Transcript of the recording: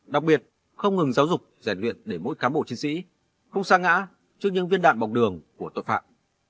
đặc biệt không ngừng giáo dục rèn luyện để mỗi cán bộ chiến sĩ không xa ngã trước những viên đạn bọc đường của tội phạm